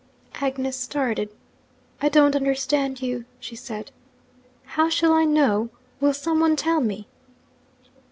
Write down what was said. Agnes started. 'I don't understand you,' she said. 'How shall I know? Will some one tell me?'